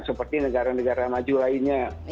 seperti negara negara maju lainnya